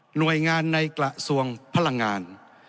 หน่วยงานในกระทรวงพลังงาน